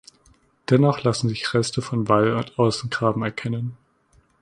Dennoch lassen sich Reste von Wall und Außengraben erkennen.